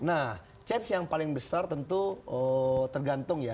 nah chance yang paling besar tentu tergantung ya